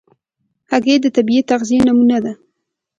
هګۍ د طبیعي تغذیې نمونه ده.